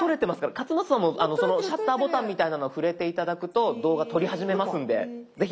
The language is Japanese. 勝俣さんもそのシャッターボタンみたいなのを触れて頂くと動画撮り始めますんで是非。